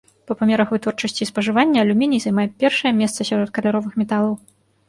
Па памерах вытворчасці і спажывання алюміній займае першае месца сярод каляровых металаў.